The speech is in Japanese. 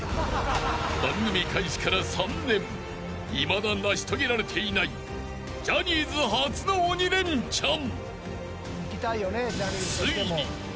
［いまだ成し遂げられていないジャニーズ初の鬼レンチャン］